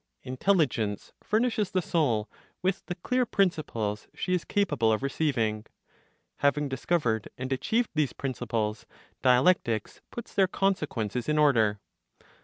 Intelligence furnishes the soul with the clear principles she is capable of receiving. Having discovered and achieved these principles, dialectics puts their consequences in order.